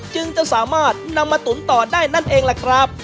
จึงจะสามารถนำมาตุ๋นต่อได้นั่นเองล่ะครับ